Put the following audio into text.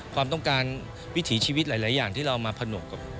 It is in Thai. ความต้องการวิถีชีวิตหลายอย่างที่เรามาผนวกกับ